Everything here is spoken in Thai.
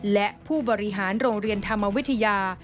และผู้บริหารโรงเรียนธรรมวิทยา